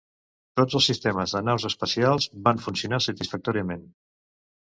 Tots els sistemes de naus espacials van funcionar satisfactòriament.